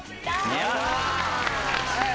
やった。